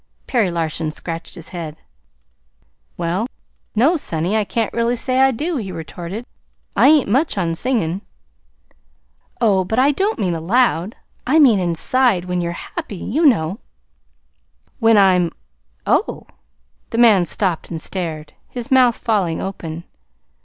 Perry Larson scratched his head. "Well, no, sonny, I can't really say I do," he retorted. "I ain't much on singin'." "Oh, but I don't mean aloud. I mean inside. When you're happy, you know." "When I'm oh!" The man stopped and stared, his mouth falling open.